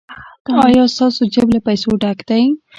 ایا ستاسو جیب له پیسو ډک دی؟